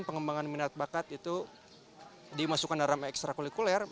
pengembangan minat bakat itu dimasukkan dalam ekstra kulikuler